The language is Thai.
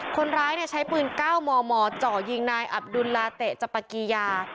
คนร้ายเนี่ยใช้ปืนเก้าหมอเจาะยิงนายอับดุลลาเตะจปากียา